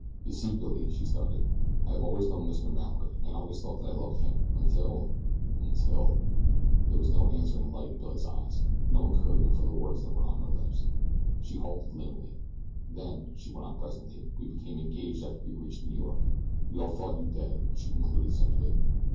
"You see, Billy," she started, "I have always known Mr. Mallory, and always thought that I loved him until until " There was no answering light in Billy's eyes no encouragement for the words that were on her lips. She halted lamely. "Then," she went on presently, "we became engaged after we reached New York. We all thought you dead," she concluded simply.